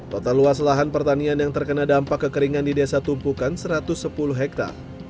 total luas lahan pertanian yang terkena dampak kekeringan di desa tumpukan satu ratus sepuluh hektare